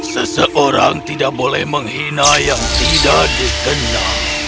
seseorang tidak boleh menghina yang tidak dikenal